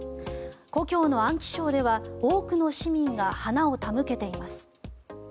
故郷の安徽省では多くの市民が花を手向けています。